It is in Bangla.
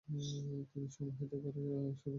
তিনি সমাহিত করা সুরাতের রানডারে।